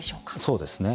そうですね